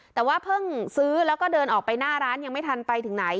แต่ว่าเพิ่งซื้อแล้วก็เดินออกไปหน้าร้านยังไม่ทันไปถึงไหน